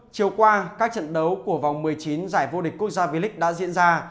chiều qua các trận đấu của vòng một mươi chín giải vô địch quốc gia v league đã diễn ra